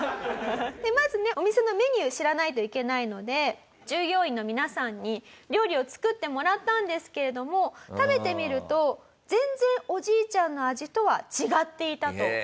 まずねお店のメニュー知らないといけないので従業員の皆さんに料理を作ってもらったんですけれども食べてみると全然おじいちゃんの味とは違っていたと。